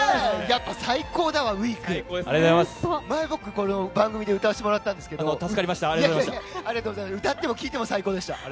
やっぱ最高だわ「Ｗｅｅｅｅｋ」前も、僕、この番組で歌わせてもらったんですが歌っても聴いても最高でした。